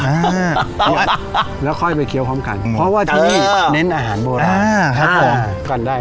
อ่าแล้วค่อยไปเคี้ยวพร้อมกันเพราะว่าที่นี้เน้นอาหารโบราณอ่า